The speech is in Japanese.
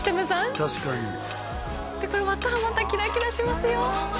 確かにでこれ割ったらまたキラキラしますよ